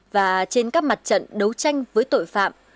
và trên các mặt trận đấu tranh với tội phạm